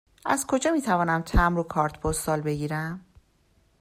از کجا می توانم تمبر و کارت پستال بگیرم؟